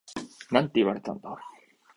なんて言われたんだ？